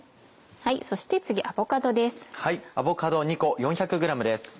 そして次アボカドです。